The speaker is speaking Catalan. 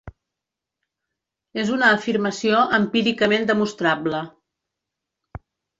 És una afirmació empíricament demostrable.